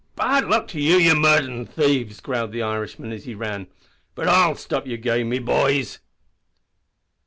"Bad luck to you, ye murtherin' thieves," growled the Irishman, as he ran, "but I'll stop yer game, me boys!"